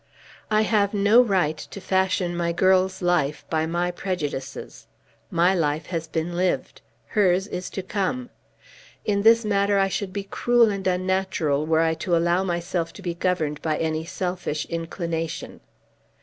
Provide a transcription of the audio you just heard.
I have no right to fashion my girl's life by my prejudices. My life has been lived. Hers is to come. In this matter I should be cruel and unnatural were I to allow myself to be governed by any selfish inclination.